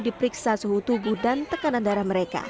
diperiksa suhu tubuh dan tekanan darah mereka